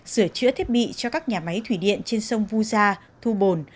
sửa chữa thiết bị cho các nhà máy thủy điện trên sông vu gia thu bồn